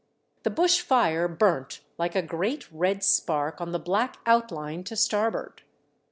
The bush fire burnt like a great red spark on the black outline to starboard.